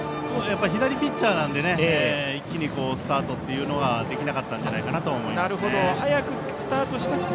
左ピッチャーなので一気にスタートというのはできなかったんじゃないかと思います。